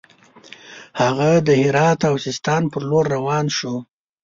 هغه د هرات او سیستان پر لور روان شو.